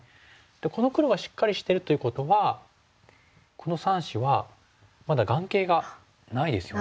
この黒がしっかりしてるということはこの３子はまだ眼形がないですよね。